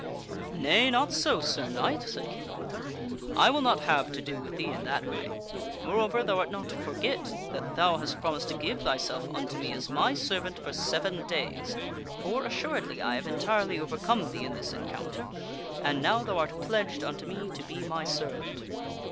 " Nay, not so, Sir Knight," said King Arthur, " I will not have to do with thee in that way. Moreover, thou art not to forget that thou hast promised to give thyself unto me as my servant for seven days, for, assur edly, I have entirely overcome thee in this encounter, and now thou art pledged unto me to be my servant."